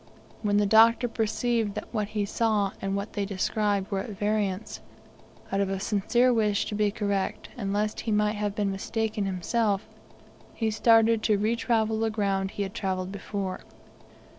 When the Doctor perceived that what he saw and what they described were at variance, out of a sincere wish to be correct, and lest he might have been mistaken himself, he started to retravel the ground he had travelled before.